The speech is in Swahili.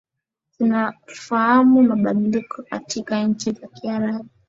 zinafahamu mabadiliko katika nchi za kiarabu